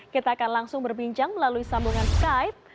kita akan langsung berbincang melalui sambungan skype